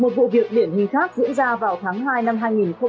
một vụ việc điển hình khác diễn ra vào tháng hai năm hai nghìn hai mươi